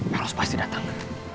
heros pasti datang